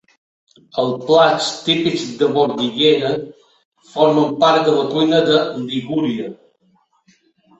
Els plats típics de Bordighera formen part de la cuina de Ligúria.